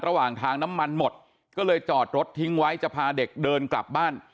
ระหว่างทางน้ำมันหมดก็เลยจอดรถทิ้งไว้จะพาเด็กเดินกลับบ้าน